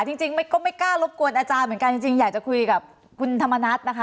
จริงก็ไม่กล้ารบกวนอาจารย์เหมือนกันจริงอยากจะคุยกับคุณธรรมนัฐนะคะ